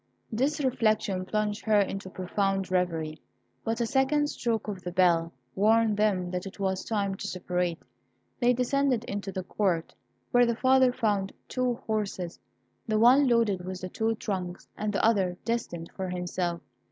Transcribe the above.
This reflection plunged her into a profound reverie, but a second stroke of the bell warned them that it was time to separate. They descended into the court, where the father found two horses, the one loaded with the two trunks, and the other destined for himself.